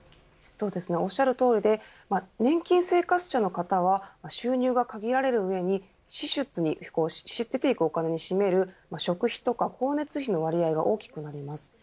そうですね、おっしゃる通りで年金生活者の方は収入が限られる上に支出に出ていくお金に占める食費とか光熱費の割合が大きくなります。